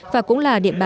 và cũng là địa bàn